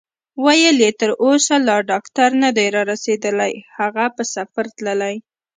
ویل یې: تر اوسه لا ډاکټر نه دی رارسېدلی، هغه په سفر تللی.